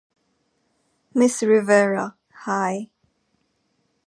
Miss Rivera, high.